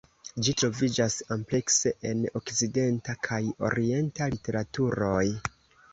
Ĝi troviĝas amplekse en okcidenta kaj orienta literaturoj.